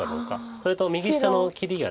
それと右下の切りが。